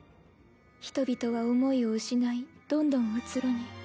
人々は思いを失いどんどんうつろに。